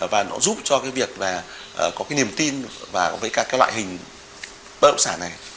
và nó giúp cho cái việc và có cái niềm tin và với cả cái loại hình bất động sản này